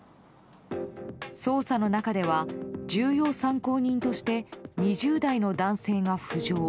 捜査の中では重要参考人として２０代の男性が浮上。